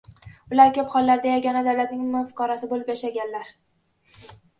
Ular ko‘p hollarda yagona davlatning umumiy fuqarosi bo‘lib yashaganlar.